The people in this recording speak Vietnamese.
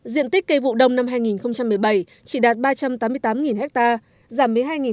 diện tích cây vụ đông năm hai nghìn một mươi bảy chỉ đạt ba trăm tám mươi tám hectare